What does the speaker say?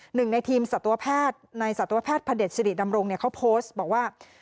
หนึ่งในทีมสัตวแพทย์ในสัตวแพทย์พระเด็จสิริดำรงเขาโพสต์บอกว่า